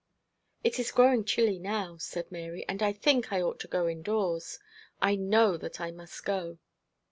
'It is growing chilly now,' said Mary, 'and I think you ought to go indoors. I know that I must go.'